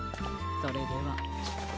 それでは。